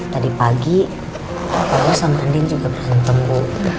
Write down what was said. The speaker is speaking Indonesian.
tadi pagi pak bos sama andin juga berantem bu